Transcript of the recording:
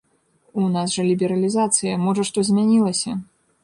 У нас жа лібералізацыя, можа што змянілася?